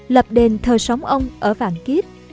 lập đền thờ sống ông ở vạn kiếp